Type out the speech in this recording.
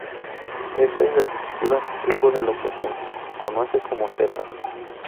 Esta es la estructura tipo de lo que se conoce como seta.